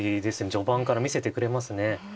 序盤から見せてくれますね。